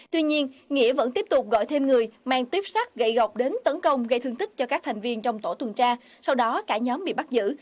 tuy nhiên nghĩa vẫn tiếp tục gọi thêm người mang tuyếp sắt gậy gọc đến tấn công gây thương tích cho các thành viên trong tổ tuần tra sau đó cả nhóm bị bắt giữ